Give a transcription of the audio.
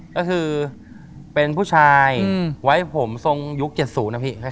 ก็คือเป็นผู้ชายไว้ผมทรงยุค๗๐นะพี่